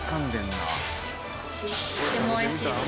とてもおいしいです。